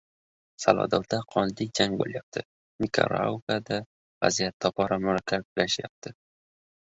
Salvadorda qonli jang bo‘layapti, Nikaraguada vaziyat tobora murakkablashayapti